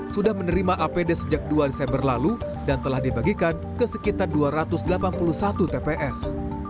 sudah menerima apd sejak dua desember lalu dan telah dibagikan ke sekitar dua ratus delapan puluh satu tps